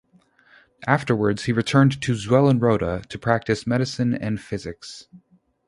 Afterwards, he returned to Zeulenroda to practice medicine and physics.